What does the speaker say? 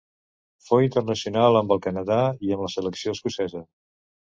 Fou internacional amb el Canadà i amb la selecció escocesa.